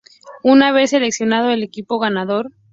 Una vez seleccionado el equipo ganador.